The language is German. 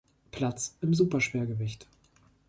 Platz im Superschwergewicht.